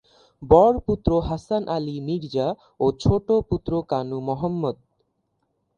বর পুত্র হাসান আলি মির্জা ও ছোট পুত্র কানু মহম্মদ